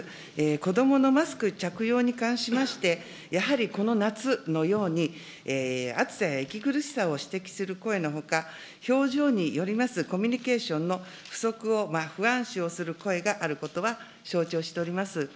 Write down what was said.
子どものマスク着用に関しまして、やはりこの夏のように、暑さや息苦しさを指摘する声のほか、表情によりますコミュニケーションの不足を不安視をする声があることは承知をしております。